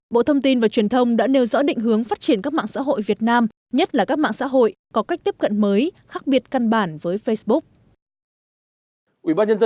bộ thông tin và truyền thông đã nêu rõ định hướng phát triển các mạng xã hội việt nam nhất là các mạng xã hội có cách tiếp cận mới khác biệt căn bản với facebook